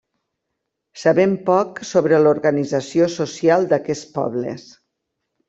Sabem poc sobre l'organització social d'aquests pobles.